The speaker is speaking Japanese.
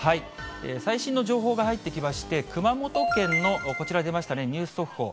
最新の情報が入ってきまして、熊本県のこちら出ましたね、ニュース速報。